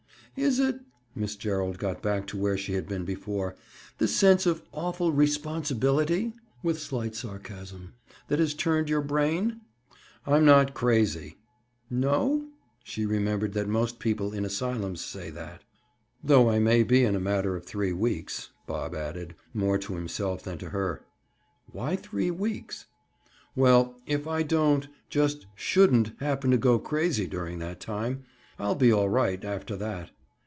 "Is it"—Miss Gerald got back to where she had been before—"the sense of awful responsibility," with slight sarcasm, "that has turned your brain?" "I'm not crazy." "No?" She remembered that most people in asylums say that. "Though I may be in a matter of three weeks," Bob added, more to himself than to her. "Why three weeks?" "Well, if I don't—just shouldn't happen to go crazy during that time, I'll be all right, after that."